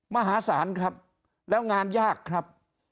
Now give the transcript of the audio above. มหาศาลครับแล้วงานยากครับ